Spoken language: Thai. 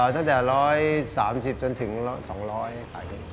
ตั้งแต่๑๓๐จนถึง๒๐๐ไป